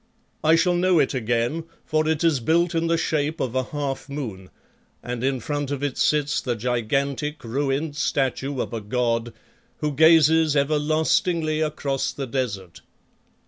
I shall know it again, for it is built in the shape of a half moon and in front of it sits the gigantic, ruined statue of a god who gazes everlastingly across the desert.